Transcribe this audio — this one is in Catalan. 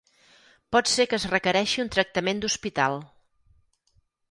Pot ser que es requereixi un tractament d'hospital.